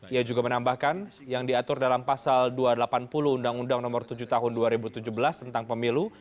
ia juga menambahkan yang diatur dalam pasal dua ratus delapan puluh undang undang nomor tujuh tahun dua ribu tujuh belas tentang pemilu